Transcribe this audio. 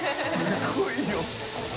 すごいよ